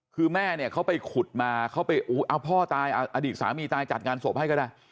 คือแม่เนี่ยเขาไปขุดมาเขาไปเอาพ่อตายอดีตสามีตายจัดงานศพให้ก็ได้